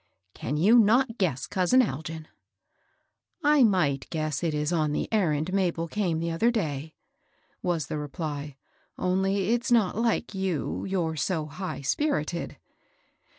" Can you not guess, cousin Algin ?"I might guess it is on the errand Mabel came the other day," was the reply, " only it's not like you, — you're so high spirited."